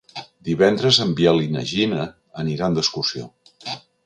Divendres en Biel i na Gina aniran d'excursió.